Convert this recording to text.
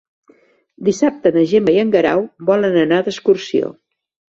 Dissabte na Gemma i en Guerau volen anar d'excursió.